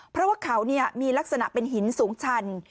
เพราะว่าเขามีลักษณะเป็นหินสูงชัน